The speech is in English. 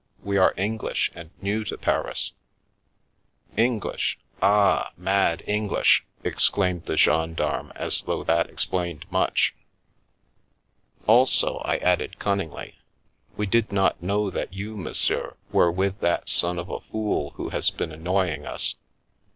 We are English and new to Paris." " English ! Ah, mad English !" exclaimed the gen darme, as though that explained much. " Also," I added cunningly, " we did not know that you, monsieur, were with that son of a fool who has been annoying us.